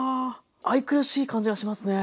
愛くるしい感じがしますね。